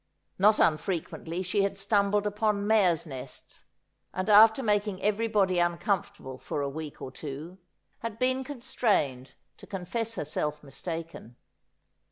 Not unfrequently she had stumbled upon mares' nests, and after making everybody uncomfortable for a week or two, had been constrained to confess herself mistaken.